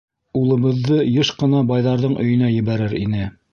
Улыбыҙҙы йыш ҡына байҙарҙың өйөнә ебәрер ине.